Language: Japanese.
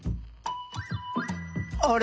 あれ？